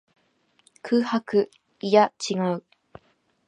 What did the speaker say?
空白。いや、違う。